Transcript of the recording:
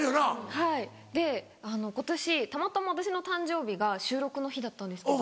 はいで今年たまたま私の誕生日が収録の日だったんですけど。